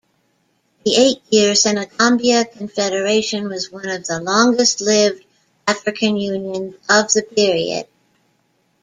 The eight-year Senegambia Confederation was one of the longest-lived African unions of the period.